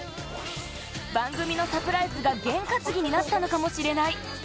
番組のサプライズがゲン担ぎになったのかもしれない。